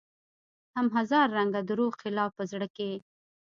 هم هزار رنګه دروغ خلاف په زړه کې